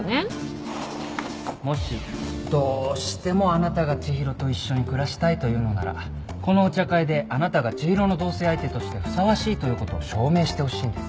もしどしてもあなたが知博と一緒に暮らしたいというのならこのお茶会であなたが知博の同棲相手としてふさわしいということを証明してほしいんです